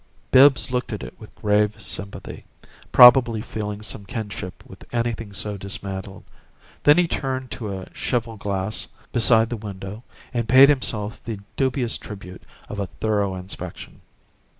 Bibbs looked at it with grave sympathy, probably feeling some kinship with anything so dismantled; then he turned to a cheval glass beside the window and paid himself the dubious tribute of a thorough inspection.